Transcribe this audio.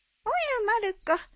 おやまる子。